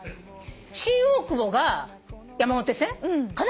新大久保が山手線かな？